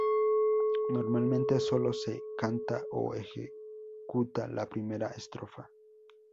Normalmente sólo se canta o ejecuta la primera estrofa.